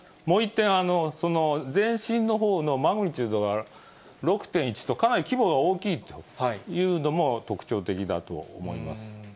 もう一点、その前震のほうのマグニチュードが６．１と、かなり規模が大きいというのも特徴的だと思います。